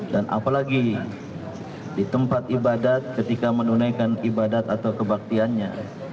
dan apalagi di tempat ibadat ketika menunaikan ibadat atau kebaktiannya